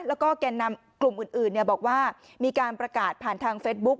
แล้วก็แก่นำกลุ่มอื่นบอกว่ามีการประกาศผ่านทางเฟซบุ๊ค